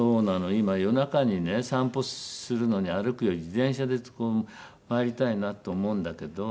今夜中にね散歩するのに歩くより自転車で回りたいなと思うんだけど。